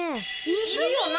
いるよな？